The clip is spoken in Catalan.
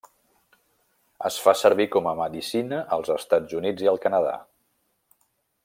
Es fa servir com medicina als Estats Units i al Canadà.